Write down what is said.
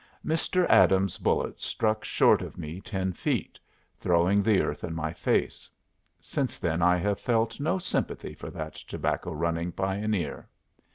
Mr. Adams's bullet struck short of me ten feet, throwing the earth in my face. Since then I have felt no sympathy for that tobacco running pioneer.